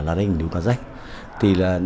lá đinh níu cá rách thì là